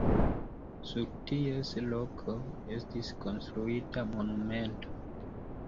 Sur ties loko estis konstruita monumento.